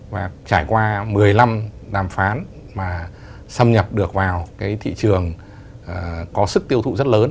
và trải qua một mươi năm đàm phán mà xâm nhập được vào cái thị trường có sức tiêu thụ rất lớn